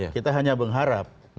kita hanya mengharap